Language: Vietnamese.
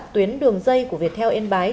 tuyến đường dây của việc theo yên bái